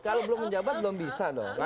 kalau belum menjabat belum bisa dong